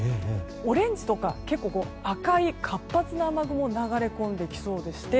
オレンジとか赤い活発な雨雲が流れ込んできそうでして